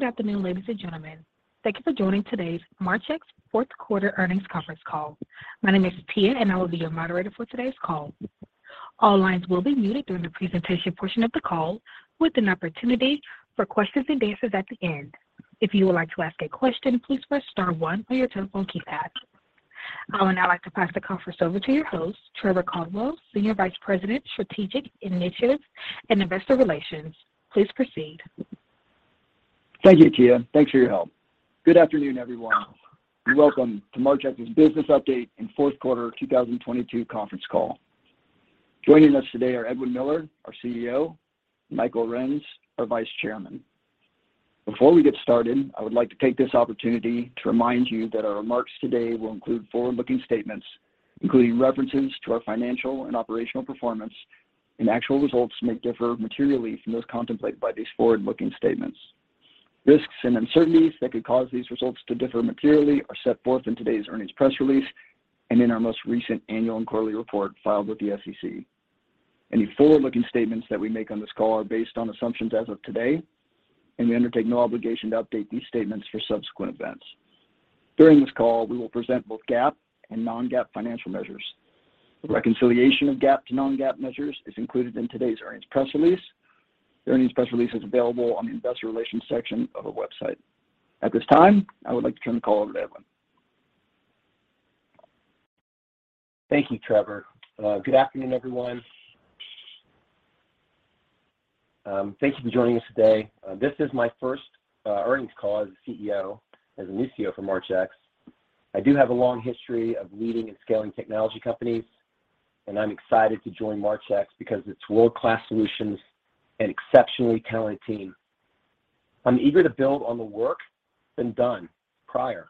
Good afternoon, ladies and gentlemen. Thank you for joining today's Marchex fourth quarter earnings conference call. My name is Tia, and I will be your moderator for today's call. All lines will be muted during the presentation portion of the call, with an opportunity for questions and answers at the end. If you would like to ask a question, please press star one on your telephone keypad. I would now like to pass the conference over to your host, Trevor Caldwell, Senior Vice President, Strategic Initiatives and Investor Relations. Please proceed. Thank you, Tia. Thanks for your help. Good afternoon, everyone, and welcome to Marchex's Business Update and Fourth Quarter 2022 conference call. Joining us today are Edwin Miller, our CEO, and Mike Arends, our Vice Chairman. Before we get started, I would like to take this opportunity to remind you that our remarks today will include forward-looking statements, including references to our financial and operational performance, and actual results may differ materially from those contemplated by these forward-looking statements. Risks and uncertainties that could cause these results to differ materially are set forth in today's earnings press release and in our most recent annual and quarterly report filed with the SEC. Any forward-looking statements that we make on this call are based on assumptions as of today, and we undertake no obligation to update these statements for subsequent events. During this call, we will present both GAAP and non-GAAP financial measures. The reconciliation of GAAP to non-GAAP measures is included in today's earnings press release. The earnings press release is available on the investor relations section of our website. At this time, I would like to turn the call over to Edwin. Thank you, Trevor. Good afternoon, everyone. Thank you for joining us today. This is my first earnings call as a CEO, as the new CEO for Marchex. I do have a long history of leading and scaling technology companies. I'm excited to join Marchex because of its world-class solutions and exceptionally talented team. I'm eager to build on the work that's been done prior.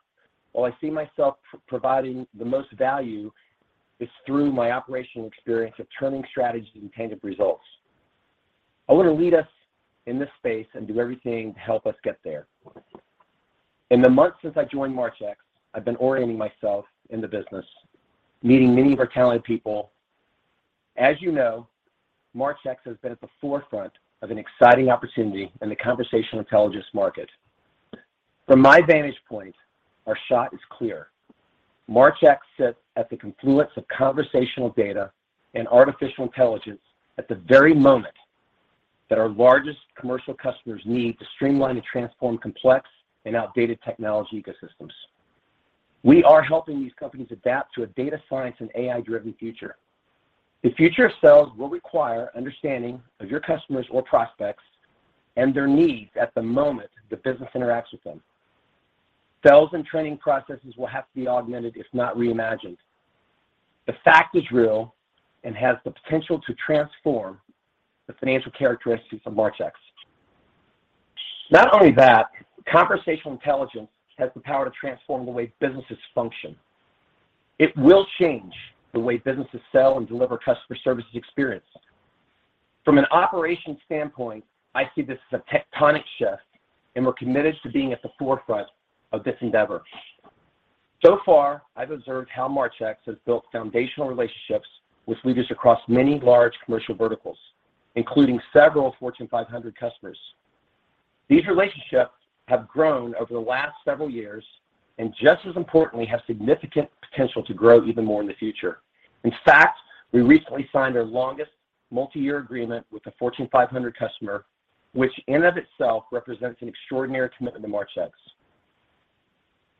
While I see myself providing the most value is through my operational experience of turning strategies into tangible results. I want to lead us in this space and do everything to help us get there. In the months since I joined Marchex, I've been orienting myself in the business, meeting many of our talented people. As you know, Marchex has been at the forefront of an exciting opportunity in the conversational intelligence market. From my vantage point, our shot is clear. Marchex sits at the confluence of conversational data and artificial intelligence at the very moment that our largest commercial customers need to streamline and transform complex and outdated technology ecosystems. We are helping these companies adapt to a data science and AI-driven future. The future of sales will require understanding of your customers or prospects and their needs at the moment the business interacts with them. Sales and training processes will have to be augmented, if not reimagined. The fact is real and has the potential to transform the financial characteristics of Marchex. Conversational intelligence has the power to transform the way businesses function. It will change the way businesses sell and deliver customer services experience. From an operations standpoint, I see this as a tectonic shift, and we're committed to being at the forefront of this endeavor. Far, I've observed how Marchex has built foundational relationships with leaders across many large commercial verticals, including several Fortune 500 customers. These relationships have grown over the last several years, and just as importantly, have significant potential to grow even more in the future. In fact, we recently signed our longest multi-year agreement with a Fortune 500 customer, which in and of itself represents an extraordinary commitment to Marchex.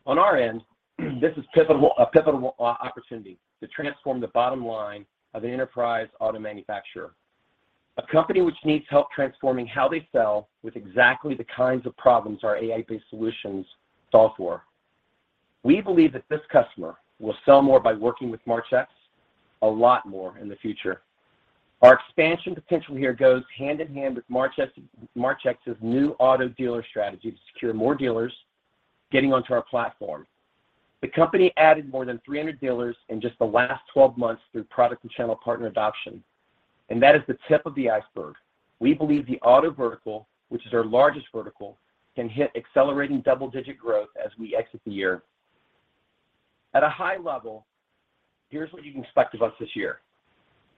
On our end, this is a pivotal opportunity to transform the bottom line of an enterprise auto manufacturer, a company which needs help transforming how they sell with exactly the kinds of problems our AI-based solutions solve for. We believe that this customer will sell more by working with Marchex, a lot more in the future. Our expansion potential here goes hand in hand with Marchex's new auto dealer strategy to secure more dealers getting onto our platform. The company added more than 300 dealers in just the last 12 months through product and channel partner adoption. That is the tip of the iceberg. We believe the auto vertical, which is our largest vertical, can hit accelerating double-digit growth as we exit the year. At a high level, here's what you can expect of us this year.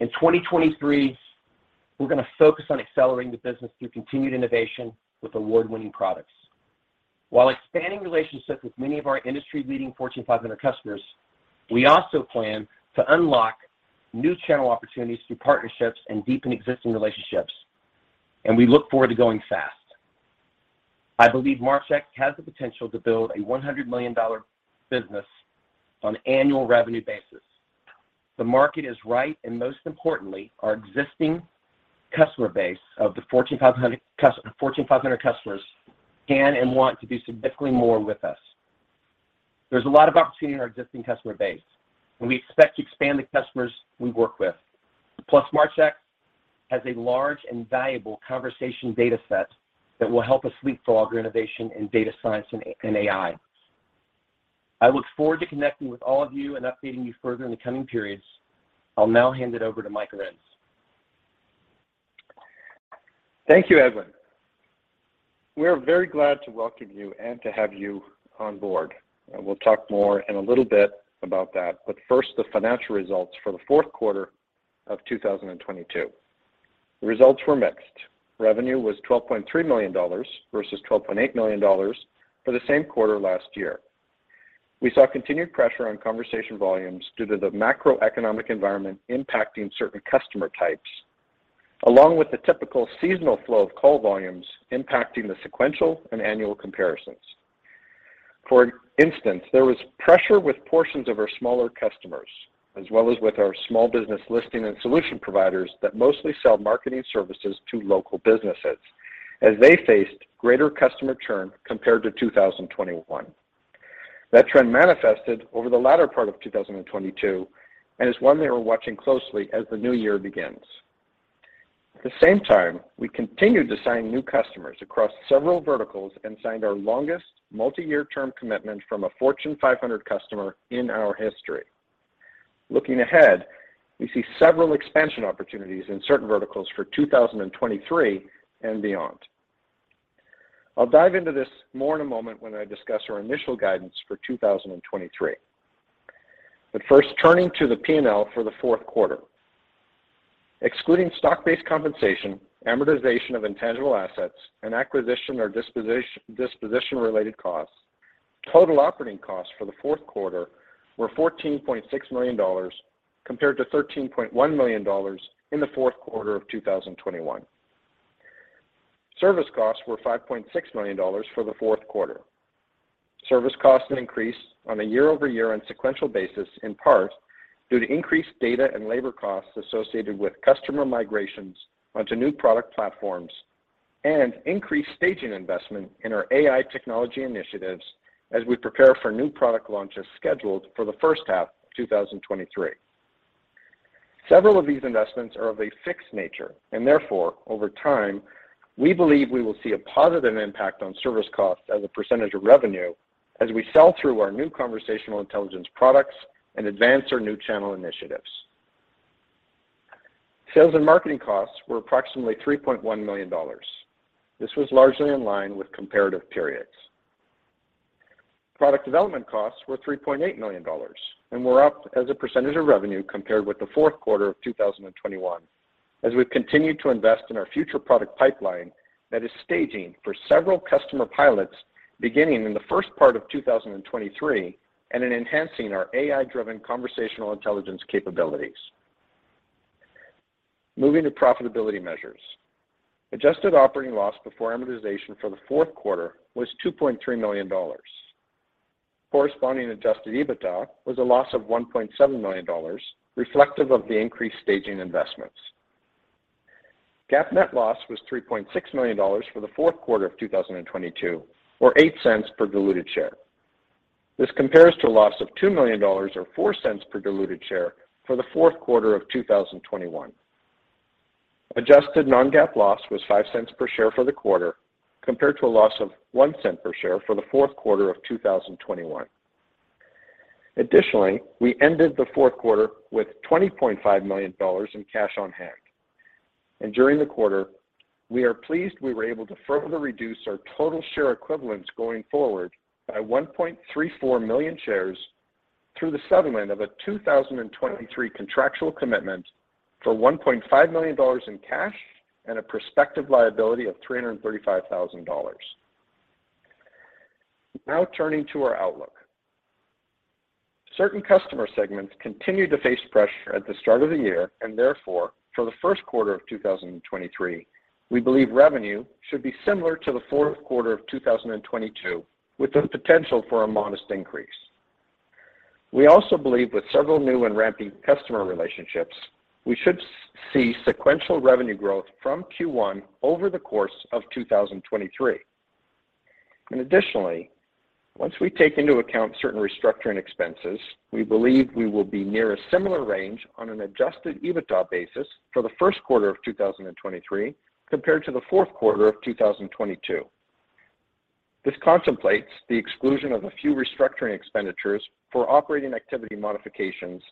In 2023, we're gonna focus on accelerating the business through continued innovation with award-winning products. While expanding relationships with many of our industry-leading Fortune 500 customers, we also plan to unlock new channel opportunities through partnerships and deepen existing relationships. We look forward to going fast. I believe Marchex has the potential to build a $100 million business on an annual revenue basis. The market is right, and most importantly, our existing customer base of the Fortune 500 customers can and want to do significantly more with us. There's a lot of opportunity in our existing customer base, and we expect to expand the customers we work with. Plus, Marchex has a large and valuable conversation data set that will help us leapfrog our innovation in data science and AI. I look forward to connecting with all of you and updating you further in the coming periods. I'll now hand it over to Mike Arends. Thank you, Edwin. We are very glad to welcome you and to have you on board. We'll talk more in a little bit about that, but first, the financial results for the fourth quarter of 2022. Results were mixed. Revenue was $12.3 million versus $12.8 million for the same quarter last year. We saw continued pressure on conversation volumes due to the macroeconomic environment impacting certain customer types, along with the typical seasonal flow of call volumes impacting the sequential and annual comparisons. For instance, there was pressure with portions of our smaller customers, as well as with our small business listing and solution providers that mostly sell marketing services to local businesses as they faced greater customer churn compared to 2021. That trend manifested over the latter part of 2022 and is one they are watching closely as the new year begins. At the same time, we continued to sign new customers across several verticals and signed our longest multi-year term commitment from a Fortune 500 customer in our history. Looking ahead, we see several expansion opportunities in certain verticals for 2023 and beyond. I'll dive into this more in a moment when I discuss our initial guidance for 2023. First, turning to the P&L for the fourth quarter. Excluding stock-based compensation, amortization of intangible assets, and acquisition or disposition-related costs, total operating costs for the fourth quarter were $14.6 million compared to $13.1 million in the fourth quarter of 2021. Service costs were $5.6 million for the fourth quarter. Service costs increased on a year-over-year and sequential basis, in part due to increased data and labor costs associated with customer migrations onto new product platforms and increased staging investment in our AI technology initiatives as we prepare for new product launches scheduled for the first half of 2023. Several of these investments are of a fixed nature, and therefore, over time, we believe we will see a positive impact on service costs as a percentage of revenue as we sell through our new conversational intelligence products and advance our new channel initiatives. Sales and marketing costs were approximately $3.1 million. This was largely in line with comparative periods. Product development costs were $3.8 million, were up as a percentage of revenue compared with the fourth quarter of 2021 as we've continued to invest in our future product pipeline that is staging for several customer pilots beginning in the first part of 2023 and in enhancing our AI-driven conversational intelligence capabilities. Moving to profitability measures. adjusted operating loss before amortization for the fourth quarter was $2.3 million. Corresponding Adjusted EBITDA was a loss of $1.7 million, reflective of the increased staging investments. GAAP net loss was $3.6 million for the fourth quarter of 2022 or $0.08 per diluted share. This compares to a loss of $2 million or $0.04 per diluted share for the fourth quarter of 2021. Adjusted non-GAAP loss was $0.05 per share for the quarter, compared to a loss of $0.01 per share for the fourth quarter of 2021. Additionally, we ended the fourth quarter with $20.5 million in cash on hand. During the quarter, we are pleased we were able to further reduce our total share equivalents going forward by 1.34 million shares through the settlement of a 2023 contractual commitment for $1.5 million in cash and a prospective liability of $335,000. Now, turning to our outlook. Certain customer segments continued to face pressure at the start of the year. Therefore, for the first quarter of 2023, we believe revenue should be similar to the fourth quarter of 2022, with the potential for a modest increase. We also believe with several new and ramping customer relationships, we should see sequential revenue growth from Q1 over the course of 2023. Additionally, once we take into account certain restructuring expenses, we believe we will be near a similar range on an Adjusted EBITDA basis for the first quarter of 2023 compared to the fourth quarter of 2022. This contemplates the exclusion of a few restructuring expenditures for operating activity modifications,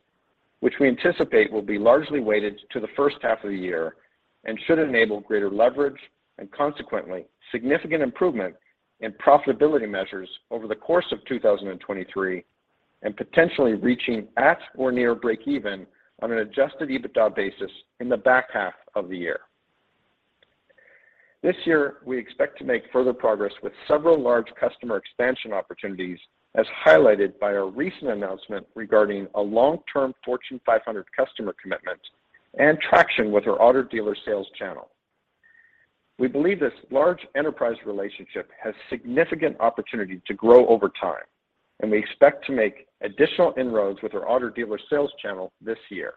which we anticipate will be largely weighted to the first half of the year and should enable greater leverage and consequently significant improvement in profitability measures over the course of 2023, and potentially reaching at or near breakeven on an Adjusted EBITDA basis in the back half of the year. This year, we expect to make further progress with several large customer expansion opportunities, as highlighted by our recent announcement regarding a long-term Fortune 500 customer commitment and traction with our auto dealer sales channel. We believe this large enterprise relationship has significant opportunity to grow over time, and we expect to make additional inroads with our auto dealer sales channel this year.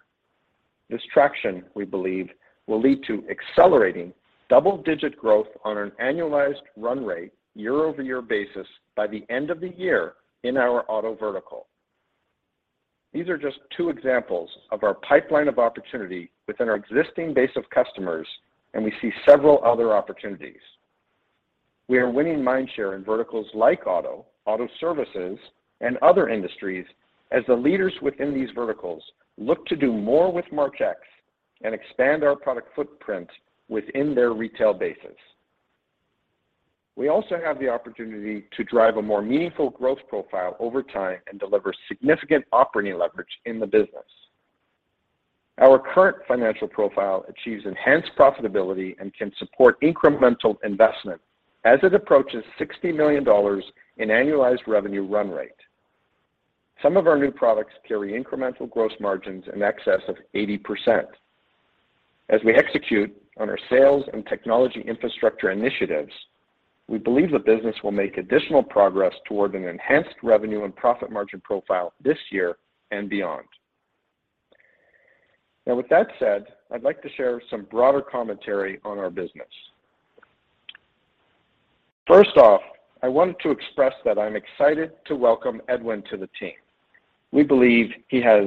This traction, we believe, will lead to accelerating double-digit growth on an annualized run rate year-over-year basis by the end of the year in our auto vertical. These are just two examples of our pipeline of opportunity within our existing base of customers, and we see several other opportunities. We are winning mindshare in verticals like auto services, and other industries as the leaders within these verticals look to do more with Marchex and expand our product footprint within their retail bases. We also have the opportunity to drive a more meaningful growth profile over time and deliver significant operating leverage in the business. Our current financial profile achieves enhanced profitability and can support incremental investment as it approaches $60 million in annualized revenue run rate. Some of our new products carry incremental gross margins in excess of 80%. As we execute on our sales and technology infrastructure initiatives, we believe the business will make additional progress toward an enhanced revenue and profit margin profile this year and beyond. With that said, I'd like to share some broader commentary on our business. First off, I want to express that I'm excited to welcome Edwin to the team. We believe he has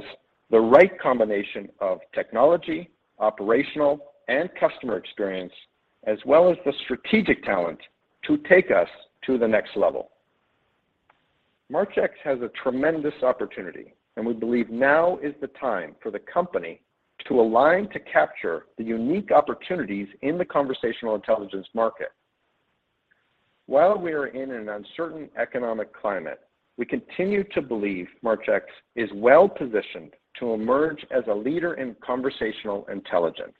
the right combination of technology, operational, and customer experience, as well as the strategic talent to take us to the next level. Marchex has a tremendous opportunity, and we believe now is the time for the company to align to capture the unique opportunities in the conversational intelligence market. While we are in an uncertain economic climate, we continue to believe Marchex is well-positioned to emerge as a leader in conversational intelligence.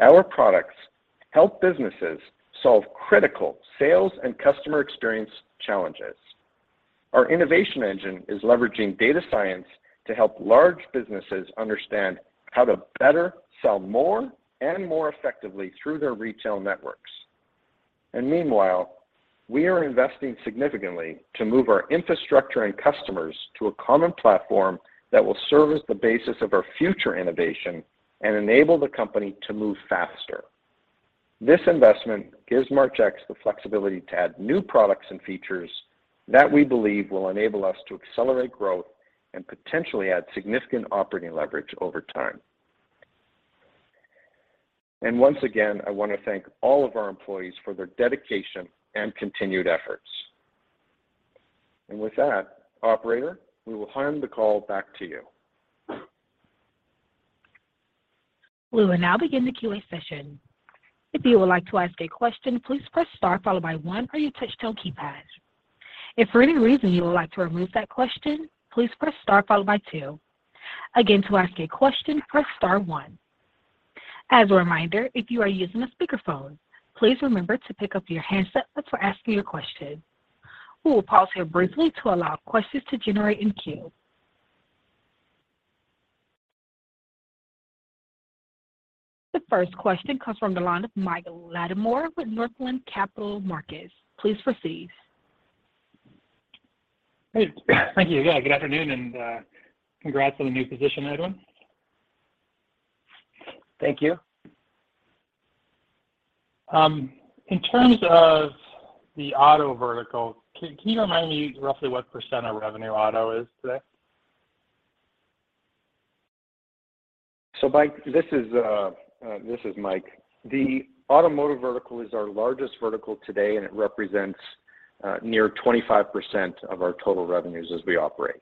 Our products help businesses solve critical sales and customer experience challenges. Our innovation engine is leveraging data science to help large businesses understand how to better sell more and more effectively through their retail networks. Meanwhile, we are investing significantly to move our infrastructure and customers to a common platform that will serve as the basis of our future innovation and enable the company to move faster. This investment gives Marchex the flexibility to add new products and features that we believe will enable us to accelerate growth and potentially add significant operating leverage over time. Once again, I want to thank all of our employees for their dedication and continued efforts. With that, operator, we will hand the call back to you. We will now begin the QA session. If you would like to ask a question, please press star followed by one on your touchtone keypad. If for any reason you would like to remove that question, please press star followed by two. Again, to ask a question, press star one. As a reminder, if you are using a speakerphone, please remember to pick up your handset before asking your question. We will pause here briefly to allow questions to generate in queue. The first question comes from the line of Mike Latimore with Northland Capital Markets. Please proceed. Hey. Thank you. Yeah, good afternoon, and congrats on the new position, Edwin. Thank you. In terms of the auto vertical, can you remind me roughly what percent of revenue auto is today? Mike, this is Mike. The automotive vertical is our largest vertical today, and it represents near 25% of our total revenues as we operate.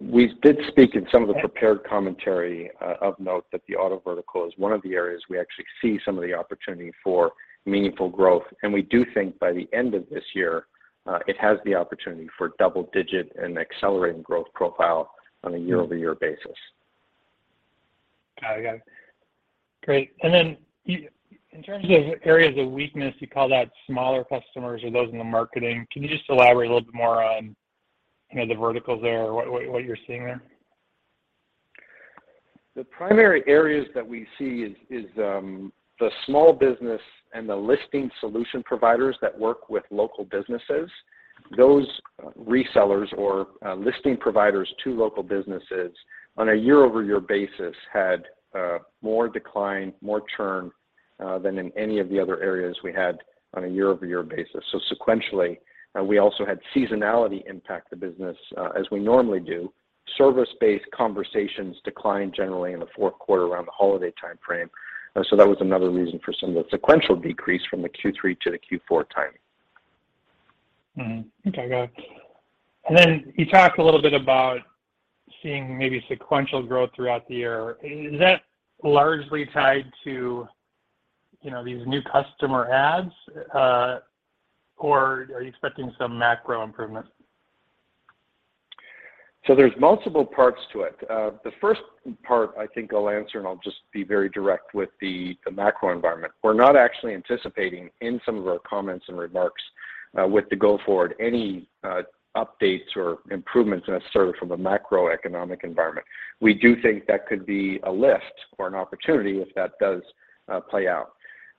We did speak in some of the prepared commentary of note that the auto vertical is one of the areas we actually see some of the opportunity for meaningful growth. We do think by the end of this year, it has the opportunity for double-digit and accelerating growth profile on a year-over-year basis. Got it. Great. In terms of areas of weakness, you called out smaller customers or those in the marketing. Can you just elaborate a little bit more on, you know, the verticals there or what you're seeing there? The primary areas that we see is the small business and the listing solution providers that work with local businesses. Those resellers or listing providers to local businesses on a year-over-year basis had more decline, more churn than in any of the other areas we had on a year-over-year basis. Sequentially, we also had seasonality impact the business as we normally do. Service-based conversations decline generally in the fourth quarter around the holiday timeframe. That was another reason for some of the sequential decrease from the Q3 to the Q4 timing. Okay. Got it. Then you talked a little bit about seeing maybe sequential growth throughout the year. Is that largely tied to, you know, these new customer adds, or are you expecting some macro improvement? There's multiple parts to it. The first part I think I'll answer, and I'll just be very direct with the macro environment. We're not actually anticipating in some of our comments and remarks, with the go forward, any updates or improvements necessary from a macroeconomic environment. We do think that could be a lift or an opportunity if that does play out.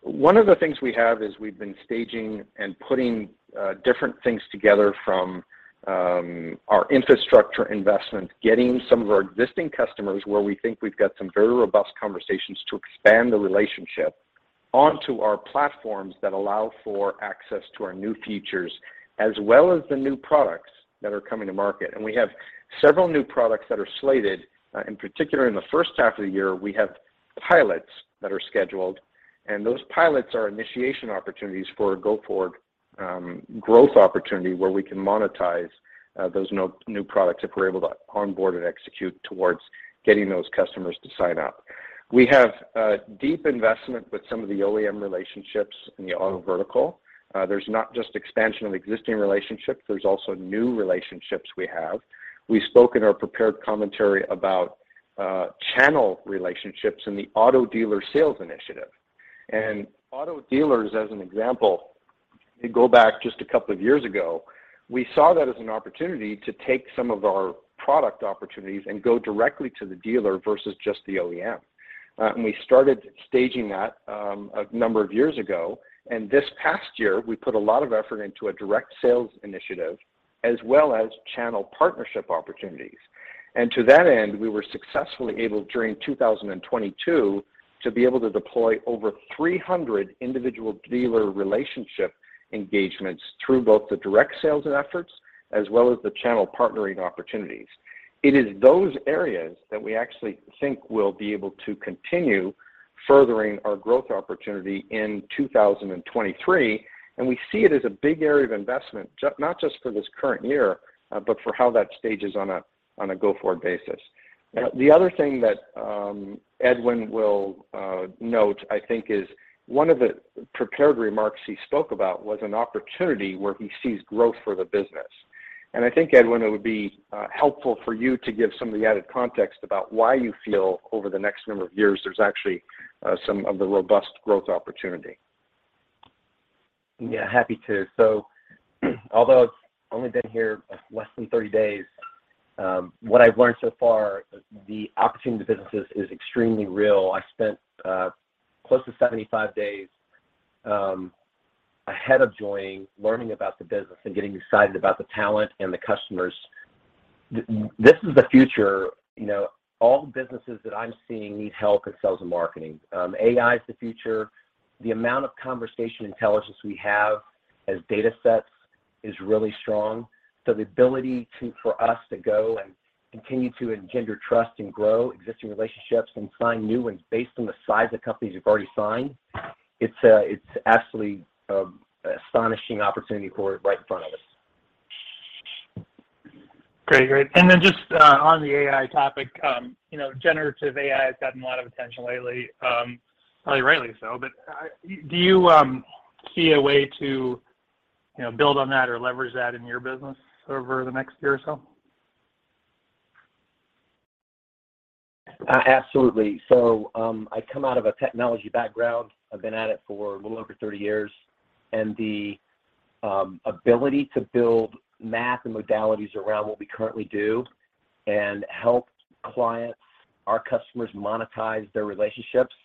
One of the things we have is we've been staging and putting different things together from our infrastructure investment, getting some of our existing customers where we think we've got some very robust conversations to expand the relationship onto our platforms that allow for access to our new features as well as the new products that are coming to market. We have several new products that are slated, in particular in the first half of the year, we have pilots that are scheduled, and those pilots are initiation opportunities for a go-forward growth opportunity where we can monetize those no-new products if we're able to onboard and execute towards getting those customers to sign up. We have a deep investment with some of the OEM relationships in the auto vertical. There's not just expansion of existing relationships, there's also new relationships we have. We spoke in our prepared commentary about channel relationships and the auto dealer sales initiative. Auto dealers as an example, if you go back just a couple of years ago, we saw that as an opportunity to take some of our product opportunities and go directly to the dealer versus just the OEM. We started staging that a number of years ago. This past year, we put a lot of effort into a direct sales initiative as well as channel partnership opportunities. To that end, we were successfully able, during 2022, to be able to deploy over 300 individual dealer relationship engagements through both the direct sales efforts as well as the channel partnering opportunities. It is those areas that we actually think will be able to continue furthering our growth opportunity in 2023, and we see it as a big area of investment, not just for this current year, but for how that stages on a go-forward basis. The other thing that Edwin will note, I think, is one of the prepared remarks he spoke about was an opportunity where he sees growth for the business. I think, Edwin, it would be helpful for you to give some of the added context about why you feel over the next number of years there's actually some of the robust growth opportunity. Yeah, happy to. Although I've only been here less than 30 days, what I've learned so far, the opportunity of the business is extremely real. I spent close to 75 days ahead of joining, learning about the business and getting excited about the talent and the customers. This is the future. You know, all the businesses that I'm seeing need help with sales and marketing. AI is the future. The amount of conversational intelligence we have as data sets is really strong. The ability for us to go and continue to engender trust and grow existing relationships and sign new ones based on the size of companies we've already signed, it's absolutely astonishing opportunity for it right in front of us. Great. Great. Then just, on the AI topic, you know, generative AI has gotten a lot of attention lately, probably rightly so. Do you see a way to, you know, build on that or leverage that in your business over the next year or so? Absolutely. I come out of a technology background. I've been at it for a little over 30 years, and the ability to build math and modalities around what we currently do and help clients, our customers monetize their relationships,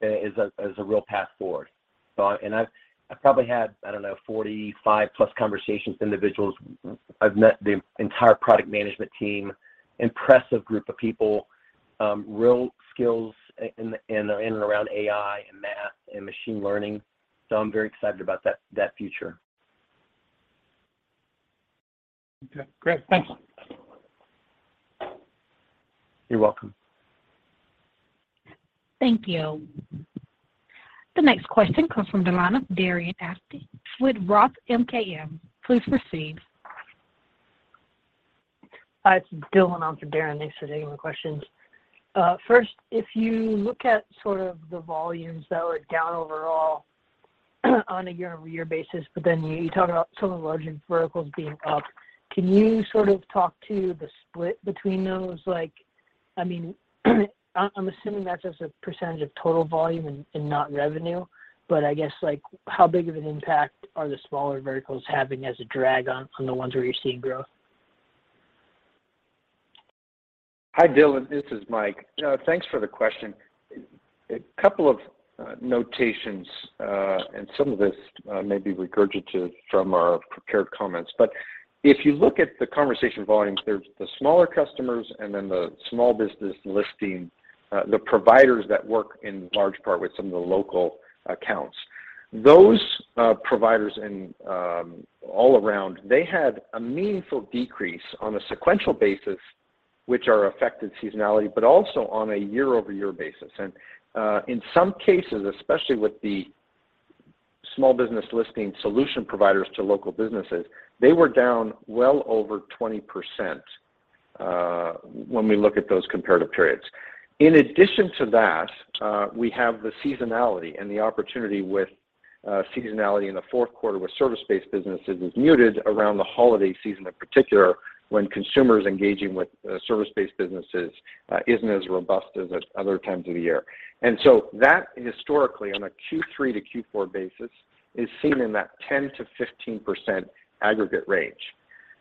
is a real path forward. And I've probably had, I don't know, 45+ conversations with individuals. I've met the entire product management team, impressive group of people, real skills in and around AI and math and machine learning. I'm very excited about that future. Okay. Great. Thanks. You're welcome. Thank you. The next question comes from the line of Darren Aftahi with ROTH MKM. Please proceed. Hi, it's Dylan on for Darren. Thanks for taking my questions. First, if you look at sort of the volumes that were down overall on a year-over-year basis, you talked about some of the larger verticals being up. Can you sort of talk to the split between those? Like, I mean, I'm assuming that's as a percentage of total volume and not revenue. I guess, like, how big of an impact are the smaller verticals having as a drag on the ones where you're seeing growth? Hi, Dylan, this is Mike. Thanks for the question. A couple of notations, and some of this may be regurgitated from our prepared comments. If you look at the conversation volumes, there's the smaller customers and then the small business listing, the providers that work in large part with some of the local accounts. Those providers and all around, they had a meaningful decrease on a sequential basis, which are affected seasonality, but also on a year-over-year basis. In some cases, especially with the small business listing solution providers to local businesses, they were down well over 20% when we look at those comparative periods. In addition to that, we have the seasonality and the opportunity with seasonality in the fourth quarter with service-based businesses is muted around the holiday season in particular, when consumers engaging with service-based businesses isn't as robust as at other times of the year. That historically on a Q3 to Q4 basis is seen in that 10%-15% aggregate range.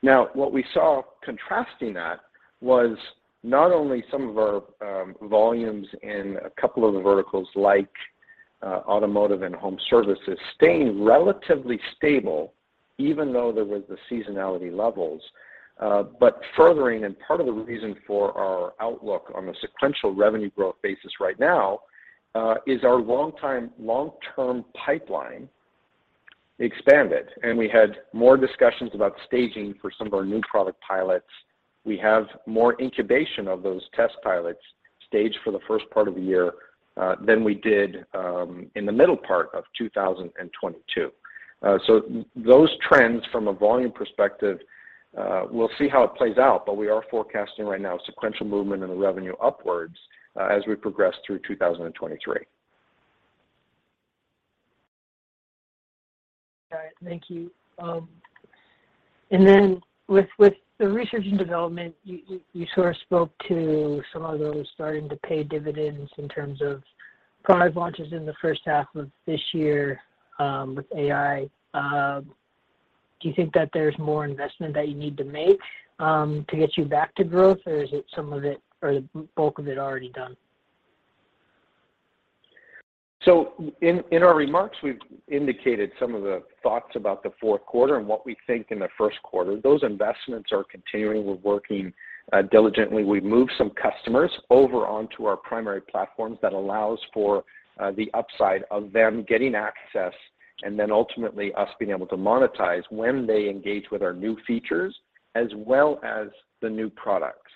What we saw contrasting that was not only some of our volumes in a couple of the verticals like automotive and home services staying relatively stable even though there was the seasonality levels. Furthering and part of the reason for our outlook on a sequential revenue growth basis right now, is our long-term pipeline expanded, and we had more discussions about staging for some of our new product pilots. We have more incubation of those test pilots staged for the first part of the year than we did in the middle part of 2022. Those trends from a volume perspective, we'll see how it plays out, but we are forecasting right now sequential movement in the revenue upwards as we progress through 2023. All right. Thank you. With the research and development, you sort of spoke to some of those starting to pay dividends in terms of product launches in the first half of this year, with AI. Do you think that there's more investment that you need to make to get you back to growth, or is it some of it or the bulk of it already done? In our remarks, we've indicated some of the thoughts about the fourth quarter and what we think in the first quarter. Those investments are continuing. We're working diligently. We've moved some customers over onto our primary platforms that allows for the upside of them getting access and then ultimately us being able to monetize when they engage with our new features as well as the new products.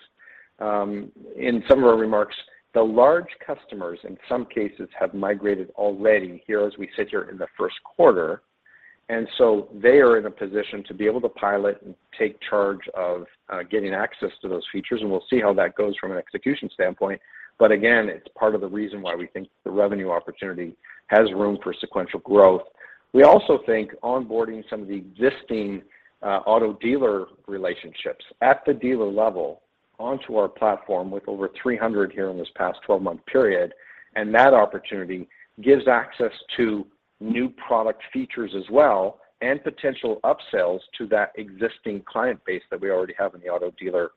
In some of our remarks, the large customers, in some cases, have migrated already here as we sit here in the first quarter. They are in a position to be able to pilot and take charge of getting access to those features, and we'll see how that goes from an execution standpoint. Again, it's part of the reason why we think the revenue opportunity has room for sequential growth. We also think onboarding some of the existing auto dealer relationships at the dealer level onto our platform with over 300 here in this past 12-month period, and that opportunity gives access to new product features as well and potential upsells to that existing client base that we already have in the auto dealer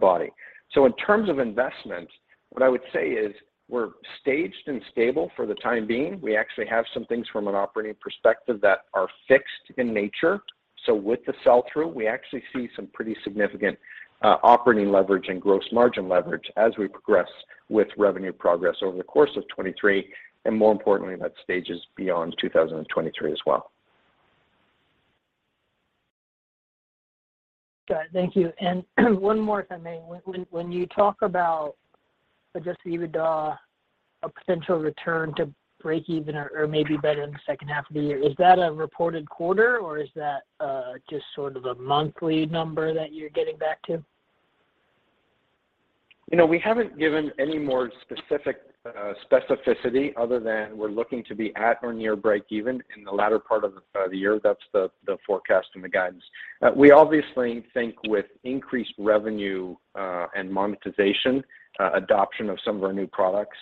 body. In terms of investment, what I would say is we're staged and stable for the time being. We actually have some things from an operating perspective that are fixed in nature. With the sell-through, we actually see some pretty significant operating leverage and gross margin leverage as we progress with revenue progress over the course of 2023, and more importantly, that stages beyond 2023 as well. Got it. Thank you. One more if I may. When you talk about Adjusted EBITDA, a potential return to break even or maybe better in the second half of the year, is that a reported quarter, or is that just sort of a monthly number that you're getting back to? You know, we haven't given any more specific specificity other than we're looking to be at or near break-even in the latter part of the year. That's the forecast and the guidance. We obviously think with increased revenue and monetization, adoption of some of our new products.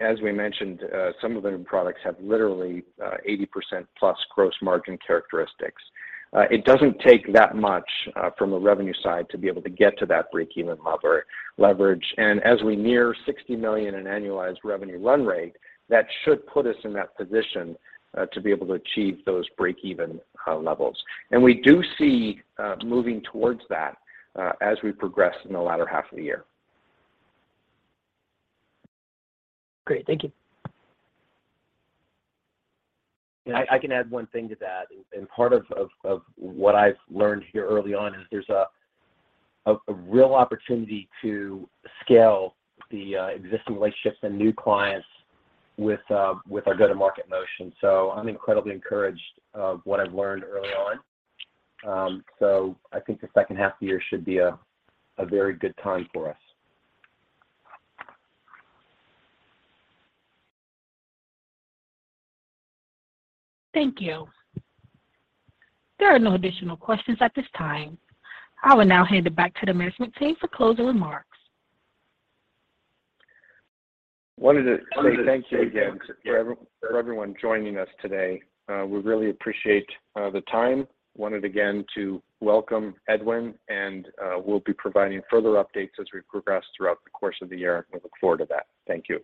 As we mentioned, some of the new products have literally 80%+ gross margin characteristics. It doesn't take that much from a revenue side to be able to get to that break-even leverage. As we near $60 million in annualized revenue run rate, that should put us in that position to be able to achieve those break-even levels. We do see moving towards that as we progress in the latter half of the year. Great. Thank you. I can add one thing to that. Part of what I've learned here early on is there's a real opportunity to scale the existing relationships and new clients with our go-to-market motion. I'm incredibly encouraged of what I've learned early on. I think the second half of the year should be a very good time for us. Thank you. There are no additional questions at this time. I will now hand it back to the management team for closing remarks. Wanted to say thank you again for everyone joining us today. We really appreciate the time. Wanted again to welcome Edwin. We'll be providing further updates as we progress throughout the course of the year. We look forward to that. Thank you.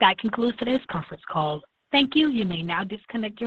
That concludes today's conference call. Thank you. You may now disconnect.